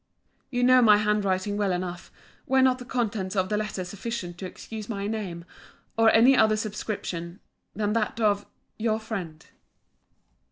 You know my hand writing well enough, were not the contents of the letter sufficient to excuse my name, or any other subscription, than that of Your friend.